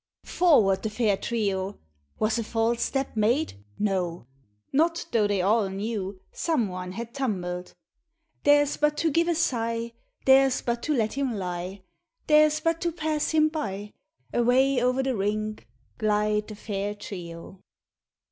Forward the fair trio ! Was a falfe step made ? No 1 Not tho' they all knew Some one had tumbled. Theirs but to give a sigh. Theirs but to let him lie. Theirs but to pass him by, Away o'er the rink Glide the fair trio.